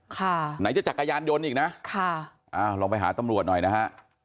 ค่ะไหนจะจักรยานยนต์อีกนะค่ะอ้าวลองไปหาตำรวจหน่อยนะฮะ